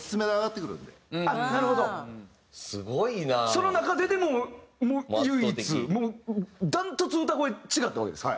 その中ででも唯一断トツ歌声違ったわけですか？